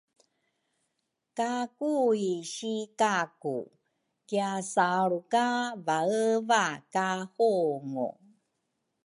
ka Kui si Kaku kiasaalru ka vaeva ka hungu.